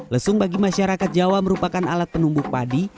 lesung bagi masyarakat jawa merupakan alat penumbuk padi